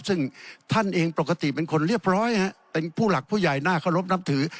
ซึ่งท่านเองปกติเป็นคนเรียบร้อยเป็นผู้หลักผู้ใหญ่น่าเคารพนับถือ